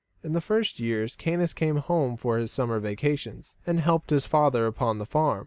In the first years Caius came home for his summer vacations, and helped his father upon the farm.